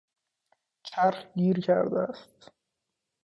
چرخ گیر کرده است.